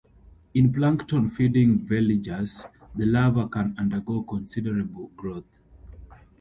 In plankton feeding veligers, the larva can undergo considerable growth.